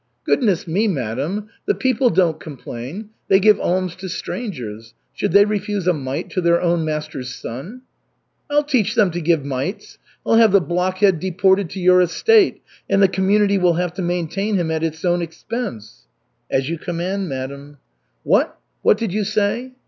"Goodness me, madam! The people don't complain. They give alms to strangers. Should they refuse a mite to their own master's son?" "I'll teach them to give mites! I'll have the blockhead deported to your estate, and the community will have to maintain him at its own expense." "As you command, madam." "What? What did you say?"